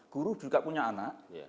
guru juga punya anak